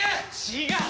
違う！